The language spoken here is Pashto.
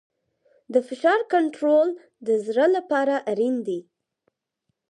د فشار کنټرول د زړه لپاره اړین دی.